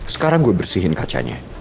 sekarang gue bersihin kacanya